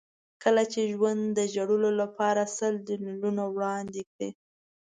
کله چې ژوند د ژړلو لپاره سل دلیلونه وړاندې کړي.